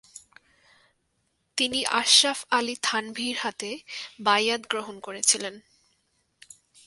তিনি আশরাফ আলী থানভীর হাতে বাইআত গ্রহণ করেছিলেন।